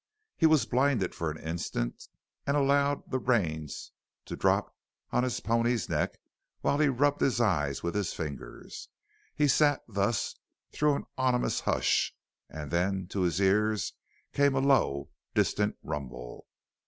He was blinded for an instant, and allowed the reins to drop on his pony's neck while he rubbed his eyes with his fingers. He sat thus through an ominous hush and then to his ears came a low, distant rumble.